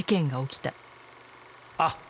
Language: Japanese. あっ！